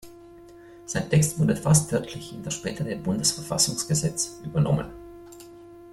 Sein Text wurde fast wörtlich in das spätere Bundesverfassungsgesetz übernommen.